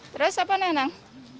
terus apa nenang